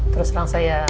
terus terang saya